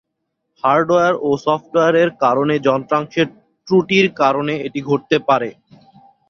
Hardware ও সফটওয়্যারের কারণে যন্ত্রাংশের ত্রুটির কারণে এটি ঘটতে পারে।